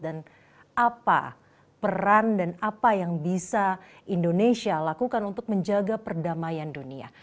dan apa peran dan apa yang bisa indonesia lakukan untuk menjaga perdamaian dunia